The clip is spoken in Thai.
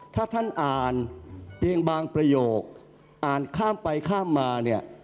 ถ้าท่านอ่านเพียงบางประโยคอ่านข้ามไปข้ามมาเนี่ย